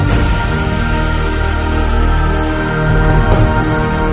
bizim selori punya daging yang berbeda